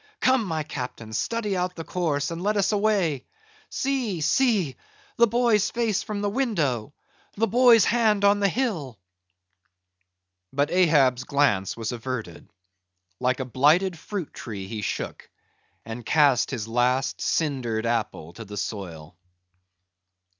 Come, my Captain, study out the course, and let us away! See, see! the boy's face from the window! the boy's hand on the hill!" But Ahab's glance was averted; like a blighted fruit tree he shook, and cast his last, cindered apple to the soil.